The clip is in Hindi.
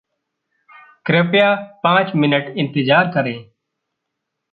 कृपया पाँच मिनट इंतेज़ार करें।